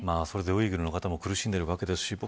それでウイグルの方も苦しんでいるわけですし